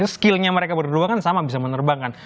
skillnya mereka berdua kan sama bisa menerbangkan